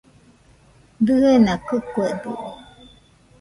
Diena kɨkuedɨo